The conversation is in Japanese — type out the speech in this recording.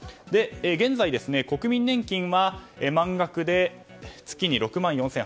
現在、国民年金は満額で月に６万４８１６円